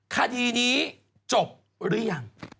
คดีนี้จบหรือยัง